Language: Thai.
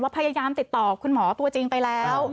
พยายามติดต่อคุณหมอตัวจริงไปแล้ว